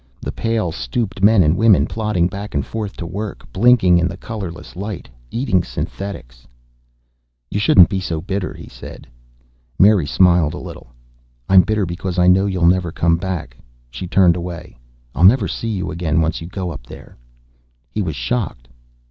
The pale, stooped men and women, plodding back and forth to work, blinking in the colorless light, eating synthetics "You shouldn't be so bitter," he said. Mary smiled a little. "I'm bitter because I know you'll never come back." She turned away. "I'll never see you again, once you go up there." He was shocked.